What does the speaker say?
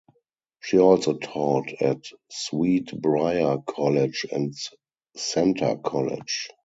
She also taught at Sweet Briar College and Centre College.